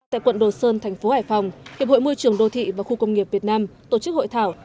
tại quận đồ sơn thành phố hải phòng hiệp hội môi trường đô thị và khu công nghiệp việt nam tổ chức hội thảo